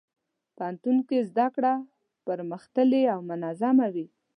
پوهنتون کې زدهکړه پرمختللې او منظمه وي.